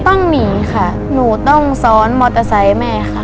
ต้องหนีค่ะหนูต้องซ้อนมอเตอร์ไซค์แม่ค่ะ